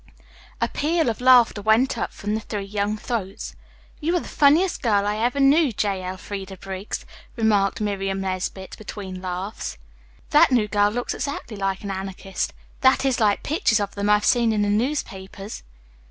A peal of laughter went up from three young throats. "You are the funniest girl I ever knew, J. Elfreda Briggs," remarked Miriam Nesbit between laughs. "That new girl looks exactly like an anarchist that is, like pictures of them I've seen in the newspapers."